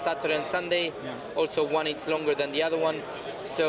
satu dan sabtu dan satu juga lebih lama daripada yang lain